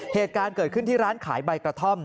เหตุการณ์เกิดขึ้นที่ร้านขายใบกระท่อม